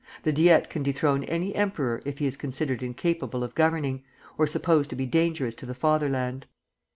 The Diet can dethrone any emperor if he is considered incapable of governing, or supposed to be dangerous to the Fatherland.